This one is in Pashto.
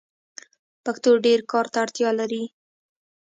پښتو ډير کار ته اړتیا لري.